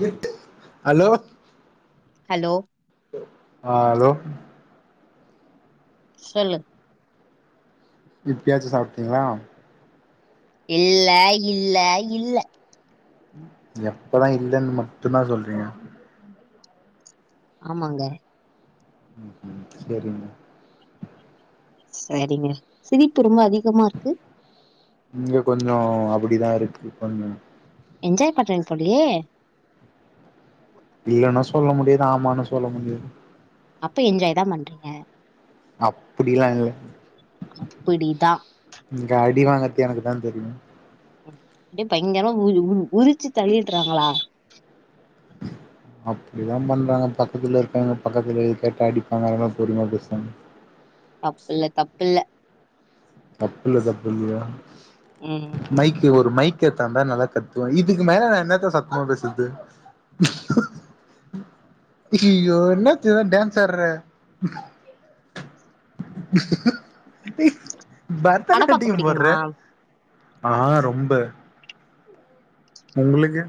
கெட்டு hello hello ஆ hello சொல்லு இப்பியாச்சு சாப்டீங்ளா இல்ல இல்ல இல்ல எப்பதா இல்லன் மட்டுந்தா சொல்றிங்க ஆமாங்க உம்ம் சேரிங்க சேரிங்க சிரிப்பு ரொம்ப அதிகமாருக்கு இங்க கொஞ்ச அப்டிதா இருக்கு கொஞ்ச என்ஜாய் பண்றிங் போலியே இல்லனு சொல்ல முடியாது ஆமானு சொல்ல முடியாது அப்ப என்ஜாய்தா பண்றிங்க அப்டிலா இல்ல இப்படிதான் இங்க அடி வாங்க த்து எனக்குதா தெரியு அப்டியே பயங்கரமா உ உ உரிச்சு தள்ளிட்றாங்களா உஹ அப்டிலா பண்றாங்க பக்கத்துல இருக்காங்க பக்கத்துலது கேட்டா அடிப்பாங்க அதானால பொருமியா பேசங்க [inaudible] தப்புல்ல தப்புல்ல தப்புல்ல தப்புல்லையா ம் மைக்கு ஒரு மைக் கேத்தாந்தா நல்லா கத்துவே இதுக்கு மேல நா என்னாத்த சத்தமா பேசத்து இய்யோ என்னாச்சிதா டான்சாட்ற படம் பாக்க பர்தநாட்டியம் போட்ற பிடிக்குமா ஆ ரொம்ப உங்ளுக்கு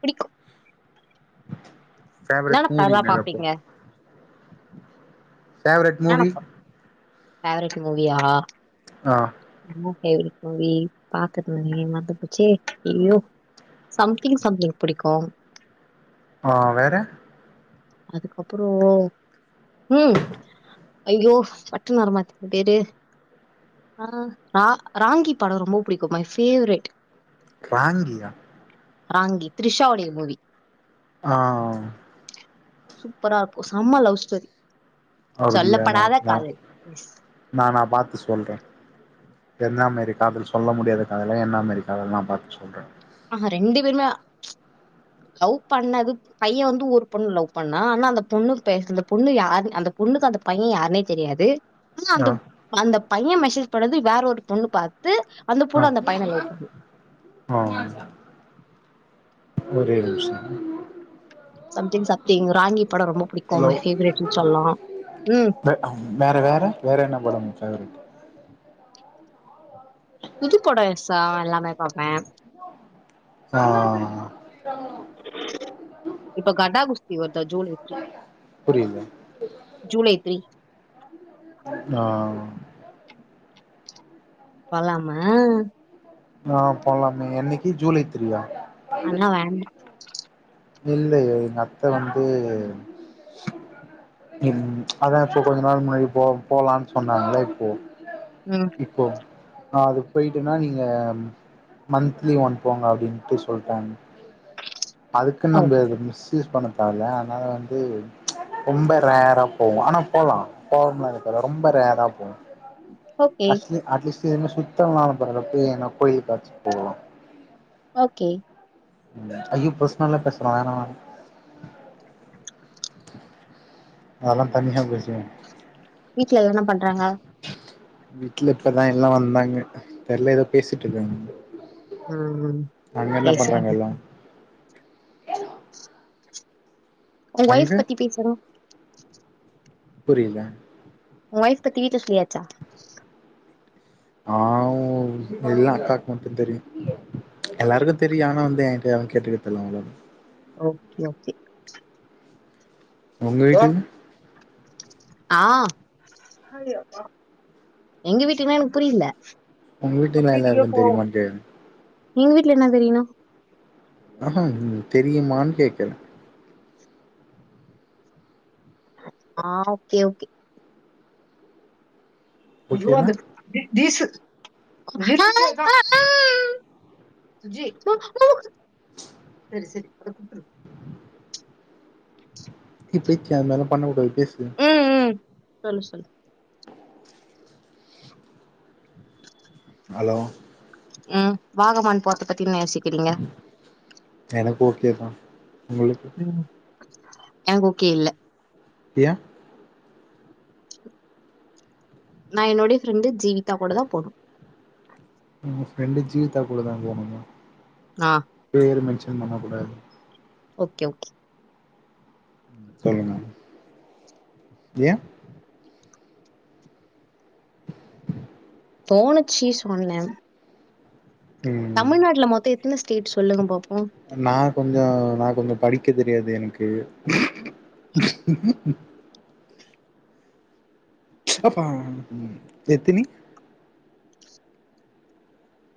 புடிக்கு பேவரட் மூவி படம்லாம் என்னதுப்போ பாப்பீங்க ஃபேவரட் என்னென்ன மூவி படம் ஃபேவரட் மூவியா ஆ என்ன ஃபேவரட் மூவீ பாக்கதுங்க மருந்து போச்சே ஐயோ சம்திங் சம்திங் புடிக்கு ஆ வேற அதுக்கப்புறோ ம் ஐயோ பட்டுன்னு வரமாட்டுங்து அ பேரு ஆ ரா ராங்கி பட ரொம்ப புடிக்கு மை ஃபேவரெட் ராங்கியா ராங்கி த்ரிஷாவுடைய மூவி ஆ சூப்பரா இருக்கு செம்ம லவ் ஸ்டோரி அப்படியா நா சொல்லப்படாத நா காதல் எஸ் நா நா பாத் து சொல்றே என்ன மாரி காதல் சொல்ல முடியாத காதலா என்ன மாரி காதல் நா பாத்து சொல்றே ஆ ரெண்டு பேருமே [inaudible] லவ் பண்ணது பைய வந்து ஒரு பொண்ணு லவ் பண்ண ஆனா அந்த பொண்ணு பேச அந்த பொண்ணு யாரு அந்த பொண்ணுக்கு அந்த பைய யாருனே தெரியாது ஆ அந்த அந்த பைய மெசேஜ் பண்ணது வேற ஒரு பொண்ணு பாத் து அந்த ஆ பொண்ணு அந்த பையன லவ் பண்ணு ஆ ஒரே நிமிச சம்திங் சம்திங் ராங்கி படம் ரொம்ப புடிக்கு ஹலோ மை ஃபேவரேட்ன்னு சொல் லா வேற அம் வேற வேற என்ன படம் ஃபேவரிட் புதுப்பட விசா எல்லாமே பாப்பே ஆ இப்ப கடா குஸ்தி வருத ஜுலை த்ரீ புரியல ஜூலை த்ரீ ஆ போலாமா ஆ போலாமே என்னிக்கி ஜூலை த்ரீயா அத்ல்லா வேண்டா இல்லையே எங்க அத்த வந்து ம் அதா இப்போ கொஞ்ச நாள் முன்னாடி போ போலான்னு சொன்னாங்கல்ல இப்போ ம் இப்போ ஆ அது போயிட்டுன்னா நீங்க மந்த்லி ஒன் போங்க அப்டின்ட்டு சொல்ட்டாங்க அதுக்குன்னு ஓ நம்ம அந்த மிஸ்யூஸ் பண்ண தவல்ல அனால வந்து ரொம்ப ரேரா போவு ஆனா போலா போவோம்ல இருக்க ரொம்ப ரேரா போவு ஓகே அ அட்லீஸ்ட் சுத்தம் [unintelligible] ஏன்னா கோயிலு பச்சு போலா ஓகே ம் ஐயோ பர்ஸ்னல்லா பேஸ்லா வேணா வேணா அதலா தனியா பேசுவோ வீட்ல என்ன பண்றாங்க வீட்டல இப்பதா எல்லா வந்தாங்க தெரில எதோ பேசிட்டு இருக்காங்க ம் அங்க என்ன பேசுங்க பண்றாங்க எல்லா உங்க ஒய்ஃப் அங்க பத்தி பேசுறோ புரியல உங்க ஒய்ஃப் பத்தி வீட்ல சொல்லியாச்சா ஆ ஹூ எல்லா அக்காக்கு மட்டு தெரியு எல்லாருக்கு தெரியு ஆனா வந்து என்கிட்ட யாரு கேட்டுக்கிர்து இல்ல அவ்ளதா ஓகே ஓகே உங்க வீட்டுக்கு ஆ எங்க வீட்டுக்குனா எனக் புரில உங்க வீட்டு நல்லாருக்குன் தெரியுமான்ட்டு எங் வீட்ல என்ன தெரிணு ஆஹா தெரியுமான் கேட்டே ஆ ஓகே ஓகே ஓகேனா ோது ச சு சரி சரி அத கூப்பரு இ பேய்ச்சா அத்னால பண்ணக்கூடாது பேசு ம் ம் சொல்லு சொல்லு உம் ஹலோ ம் வாகவான் பாத்துட்டு எனக்கு ஓகேதா உங்களுக்கு ம் எனக்கு ஓகே இல்ல ஏ நா என்னோடைய ஃப்ரெண்டு ஜீவிதா கூட தா போணு ம் ஃப்ரெண்டு ஜீவிதா கூட தா போனுங்க நா பேரு நச் ஏ பண்ணக்கூடாது ஓகே ஓகே ம் சொல்லுங்க ஏ தோணுச்சி சொன்னே ம் எத்தன ஸ்டேட் சொல்லுங்க பாப்போம்? நா கொஞ்சோ நா கொஞ்சோ படி க்க தெரியாது எனக்கு பப்பா எத்தினி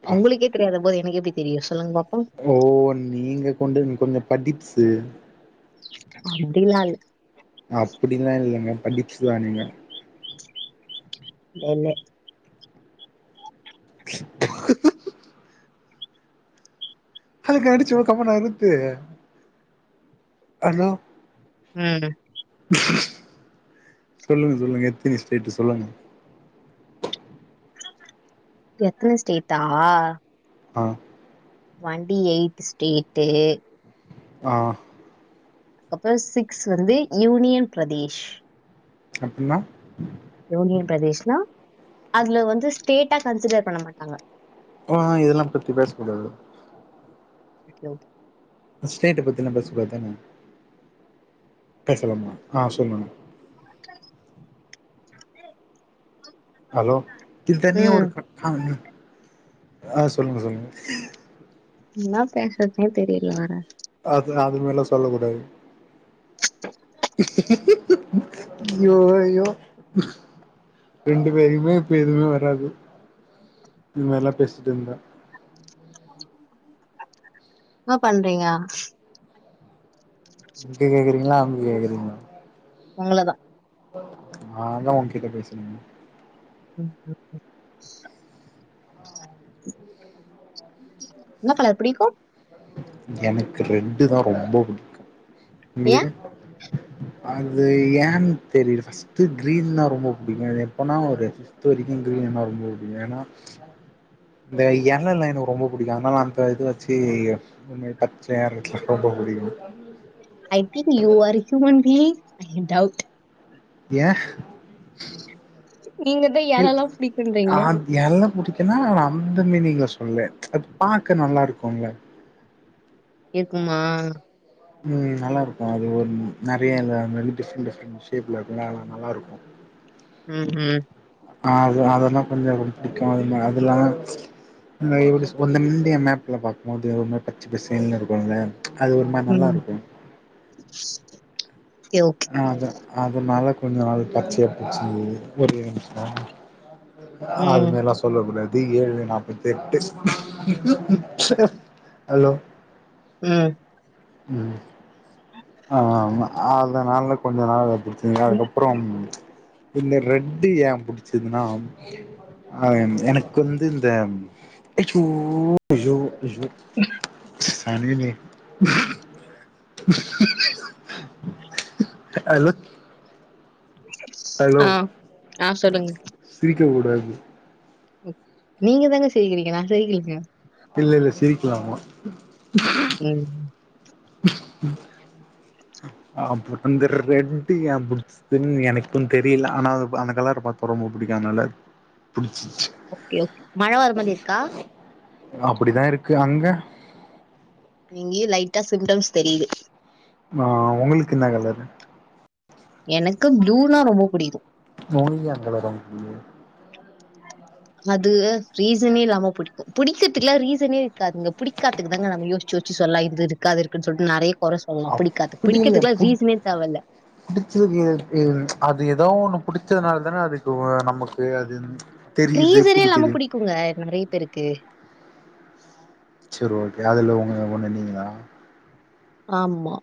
பா அவ்ங்குளுக்கே தெரியாத போது எனக்கெப்டி தெரியு சொல்லுங்க பாப் ஓ நீங்க கொண்டு கொஞ்சோ படிப்ஸு அப்டிலால் அப்டிலால்லங்க படிப்ஸ்தா நீங்க லேலே அதுக்கடிச்சவு கமனா இருக்கு ஆனா ம் சொல்லுங்க சொல்லுங்க எத்தனி ஸ்டேட்டு சொல்லுங்க எத்தன ஸ்டேட்டா ஆ வண்டி எயிட்டு ஸ்டேட்டு ஆ கப்ற சிக்ஸ் வந்து யூனியன் பிரதேஷ் அப்டின்னா யூனியன் பிரதேஷ்னா அத்ல வந்து ஸ்டேட்டா கன்சிடர் பண்ண மாட்டாங்க ஆ இதெல்லா பத்தி பேசக்கூடாது ஓகே ஓக் ஸ்டேட்ட பத்திலா பேசக்கூடாத்தானே பேசலாமா ஆ சொல்லுங்க ஹலோ திட்டன்யா ம். ஒருக்க காலு ஆ சொல்லுங் சொல்லுங்க இன்னா பேசற்தே தெரில வேற அது அது மேலா சொல்ல கூடாது அய்யோ அய்யோ ரெண்டு பேருமே இப்ப எதுமேவராது இது மாரில்லா பேசிட்டுருந்தா ஆ பண்றைய இங்க கேக்குறீங்களா அங்க கேக்குறீங்களா உங்கள தா நாதா உன்கிட்ட பேசினங் உம் என்ன கலர் பிடிக்கு எனக்கு ரெட்டு தா ரொம்ப பிடிக்கு ஏன்? உங்களுக்கு அது என் தெரியல ஃபர்ஸ்ட்டு கிரீன் தா ரொம்ப பிடிக்கு எப்பபோனா ஒரு பிப்த் வரைக்கு கிரீன் கிரீன்னா ரொம்ப பிடிக்கு ஏன்னா இந்த யெலல்லா எனக்கு ரொம்ப பிடிக்கு அதனால அந்த இது வச்சு ஒரு மாரி பச்சையா இருக்குல்ல ரொம்ப பிடிக்கு I think you are human being doubt யே நீங்க தான் ன் யாரெல்லாம் அ பிடிக்குன்றீங்களே? யெல்லா புடிக் ஏன்னா நா அந்த மீனிங்ல சொல்லல அது பாக்க நல்லாருக்கும்ல்ல இருக்குமா உம் நல்லாருக்கு அது ஒரு நெறைய டிப்ரெண்ட் டிப்ரெண்ட் ஷேப்ல இருக்கும்ல அதல்லா நல்லாருக்கு உம் ம் அ அதெல்லா கொஞ்ச பிடிக்கு அ அதெல்லா இந்த ஒருஸ் ஒரு இந்திய மேப்ல பாக்குபோது ஒருமாதி பச்ச பசசேலுனு இருக்குல்ல அது ஒரு மாரி ம். நல்லாருக்கு சரி ஓகே. அத அதனால கொஞ்ச நாள் பச்சய புடிச்சிருந்தது ஒரே நிமிஷோ ம். அதுமேலா சொல்ல கூடாது தி ஏழு நாற்பத்தெட்டு [unintelligible] ஹலோ உம் ம் ஆமா அதனால கொஞ்ச நாள் வச்சுச்சீங்க அதுக்கப்றம் இந்த ரெட்டு யேன் புடிச்சதுன்னா அ எனக்கு வந்து இந்த ஐயோ ஐயோ ஐயோ சனியனே ஹலோ ஹலோ ஆ ஆ சொல்லுங்க உடாது நீங்க தாங்க சிரிக்கிறீங்க நா சிரிக்கலங்க இல்ல இல்ல சிரிக்கலாமா உம் [unintelligible] [inaudible] ம் ஆ பட் அந்த ரெட்டு யே பிடிச்சுதுன்னு எனக்கும் தெரியல ஆனா அந்த கலர பாத்தா ரொம்பா பிடிக்கு அதனால பிடி ஓகே ஓகே மழ வர மாதிரிருக்கா அப்படிதா இருக்கு அங்க இங்கேயு லைட்டா சிம்டம்ஸ் தெரியுது ஆ உங்களுக்கு என்ன கலரு எனக்கு ப்ளூனா ரொம்ப பிடிக்கு [unintelligible] அது ரீசனேல்லாம பிடிக்கு பிடிக்கதுக்குல்லா ரீசனேருக்காதுங்க பிடிக்காததுக்கு தாங்க நம்ம யோசிச் யோ ச்சு சொல்ல இதுருக்கு அதுருக்குன்னு சொல்லிட்டு நெறய குற சொல்லா பிடிக்காது பிடிக்குரதுக்குள்ள ரீசனே தேவ இல்ல புடிச்சதுக்கு ஏ அது ஏதோ ஒண்ணு புடிச்சதுனால தான அது [unintelligible] நமக்கு அது தெரியுது ரீசனே இல்லாம புடிக்குது புடிக்குங்க நெறைய பேருக்கு செரி ஓகே அதுல உங்க ஒண்ணு நீங்களா ஆமா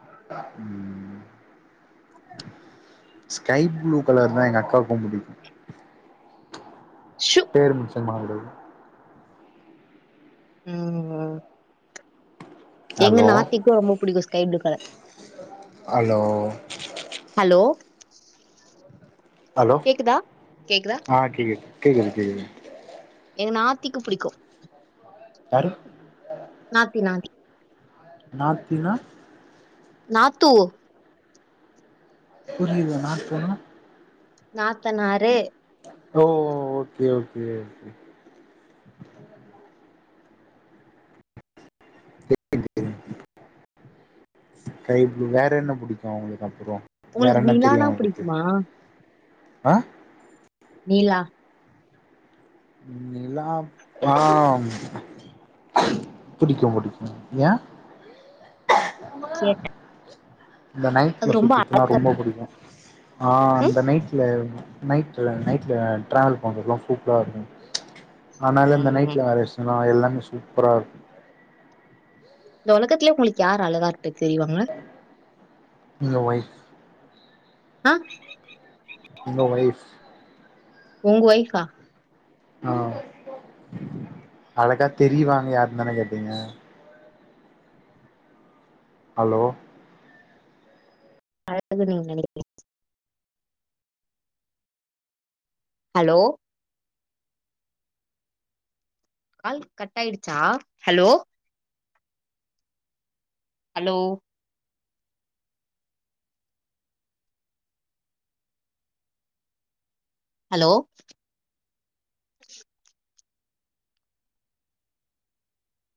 [inaudible] ஸ்கை ப்ளூ கலர்னா எங்க அக்காவுக்கு புடிக்கு ஷூ! பேர் [unintelligible] ம் எங்க ஹலோ நாத்திக்கு ரொம்ப புடிக்கு sky blue colour hello hello hello கேக்குதா கேக்குதா அ கேக்குது கேக்குது எங்க நாத்திக்கு புடிக்கு யாரு நாத்தி நாத்தி நாத்தினா நாத்தூ புரியல நாத்துனா நாத்தனாரு ஓ ஓகே ஓகே [unintelligible] ஸ்கை ஃப்ளு வேற என்ன புடிக்கு உங்ளுக்கு அப்றோ வேற உங்களுக்கு என்ன தெரியு நிலானா உங்ளுக்கு புடிக்குமா ஆ நிலா நிலா [unintelligible] புடிக்கு புடிக்கு ஏ கேட்ட இந்த அது நைட்டில் ரொம்ப அழ- சுத்துறதுன்னா ரொம்ப புடிக்கு அ ம்? அந்த நைட்டுல நைட்ல நைட்ல ட்ராாவல் பண்றதுல்லா சூப்பரா இருக்கு ஆனால இந்த ம். நைட்ல வேல வெச்சுனனா எல்லாமே சூப்பரா இருக்கு இந்த ஒலகத்துலயே உங்ளுக்கு யாரு அழகா இருப் ஏ வைஃப் அ எங்க வைஃப் உங்க வைஃப்பா அ அழகா தெரியுவாங்க யாருன்னுதானே கேட்டீங்க ஹலோ அழகுனு நீங்க நெனைக்கிறீங்க ஹலோ கால் கட் ஆயிடுச்சா ஹலோ ஹலோ ஹலோ